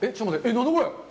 何だこれ！？